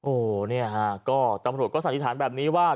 โอ้เนี่ยตำรวจก็สังสิทธิฐานแบบนี้ว่า